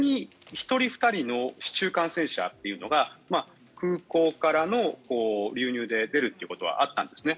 たまに１人、２人の市中感染者というのが空港からの流入で出ることはあったんですね。